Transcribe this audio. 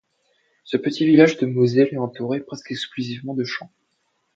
Ce petit village de Moselle est entouré presque exclusivement de champs.